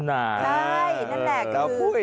ใช่นั่นแหละคือ